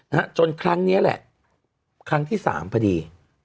นะฮะจนครั้งเนี้ยแหละครั้งที่สามพอดี